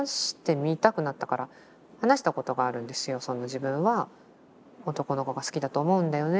「自分は男の子が好きだと思うんだよね」